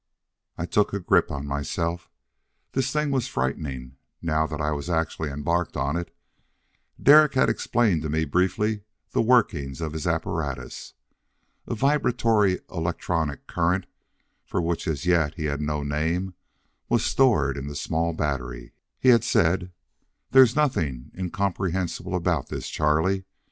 I took a grip on myself. This thing was frightening, now that I actually was embarked on it. Derek had explained to me briefly the workings of his apparatus. A vibratory electronic current, for which as yet he had no name, was stored in the small battery. He had said: "There's nothing incomprehensible about this, Charlie.